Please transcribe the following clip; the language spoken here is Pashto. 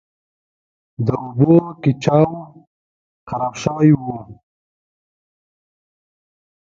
د اوبو کیچوا خراب شوی و.